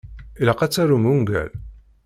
Ilaq ad tarum ungal.